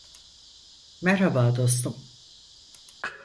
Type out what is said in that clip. Merhaba dostum.